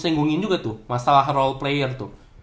gua senggungin juga tuh masalah role player tuh